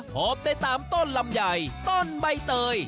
พบได้ตามต้นลำไยต้นใบเตย